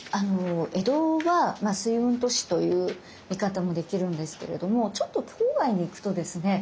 江戸は「水運都市」という見方もできるんですけれどもちょっと郊外に行くとですね